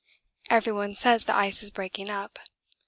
Everyone says the ice is breaking up.